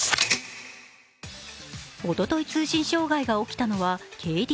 おととい通信障害が起きたのはＫＤＤＩ。